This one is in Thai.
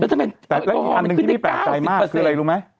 อันที่ไม่แปลกใจมากคืออะไรรู้มั้ย